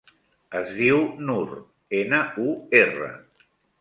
Es diu Nur: ena, u, erra.